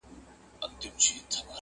موسیقي، قمار، شراب هر څه یې بند کړل!!